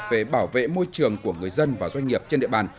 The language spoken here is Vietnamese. về bảo vệ môi trường của người dân và doanh nghiệp trên địa bàn